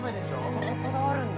そここだわるんだ。